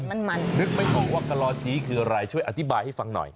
มันมันนึกไม่ออกว่ากะลอชี้คืออะไรช่วยอธิบายให้ฟังหน่อย